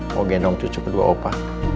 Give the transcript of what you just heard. mau genong cucu kedua opa